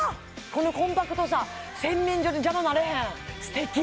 このコンパクトさ洗面所で邪魔にならへんすてき！